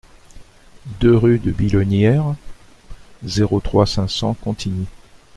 deux rue de Billonnière, zéro trois, cinq cents Contigny